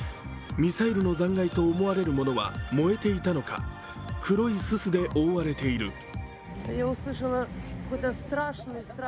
ミサイルの残骸と思われるものは燃えていたのか、黒いすすで覆われている。